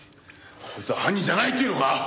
こいつは犯人じゃないって言うのか？